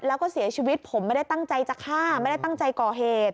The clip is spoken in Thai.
แล้วก็เสียชีวิตผมไม่ได้ตั้งใจจะฆ่าไม่ได้ตั้งใจก่อเหตุ